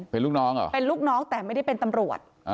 เป็นลูกน้องเหรอเป็นลูกน้องแต่ไม่ได้เป็นตำรวจ